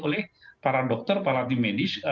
oleh para dokter para tim medis